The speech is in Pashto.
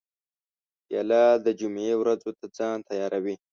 پیاله د جمعې ورځو ته ځان تیاروي.